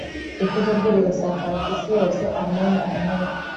ikuzo rye riragasakara ku isi yose! amen! amen